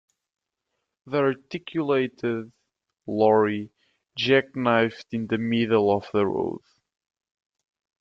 The articulated lorry jackknifed in the middle of the road